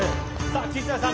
岸谷さん